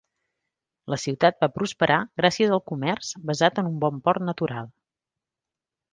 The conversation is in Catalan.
La ciutat va prosperar gràcies al comerç basat en un bon port natural.